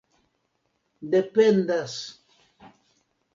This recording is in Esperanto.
dependas